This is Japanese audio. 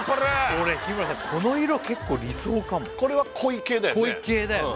俺日村さんこの色結構理想かもこれは濃い系だよね？